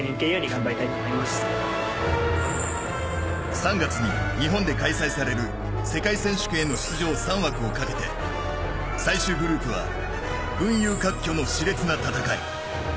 ３月に日本で開催される世界選手権への出場３枠をかけて最終グループは群雄割拠のし烈な戦い。